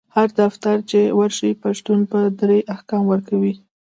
هر دفتر چی ورشي پشتون په دري احکام ورکوي